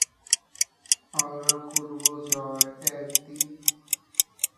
জাদুঘরটি ইন্দোনেশিয়ার ঐতিহ্যকে দুই শতাব্দি ধরে সংরক্ষণ করে চলেছে।